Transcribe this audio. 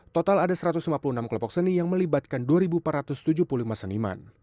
total ada satu ratus lima puluh enam kelompok seni yang melibatkan dua empat ratus tujuh puluh lima seniman